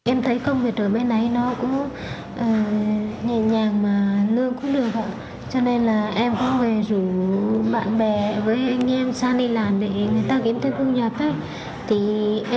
em thấy công việc ở bên ấy nó cũng nhẹ nhàng mà lương cũng được ạ cho nên là em cũng về rủ bạn bè với anh em sang đi làm để người ta kiếm thêm